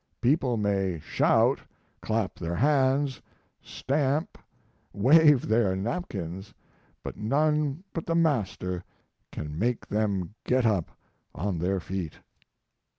People may shout, clap their hands, stamp, wave their napkins, but none but the master can make them get up on their feet.